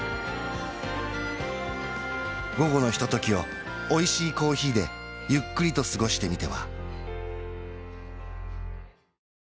午後のひとときをおいしいコーヒーでゆっくりと過ごしてみては？